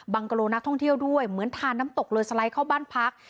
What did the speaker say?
กะโลนักท่องเที่ยวด้วยเหมือนทานน้ำตกเลยสไลด์เข้าบ้านพัก